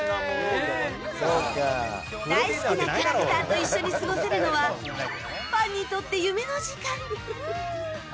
大好きなキャラクターと一緒に過ごせるのはファンにとって夢の時間。